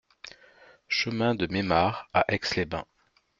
Chemin de Memard à Aix-les-Bains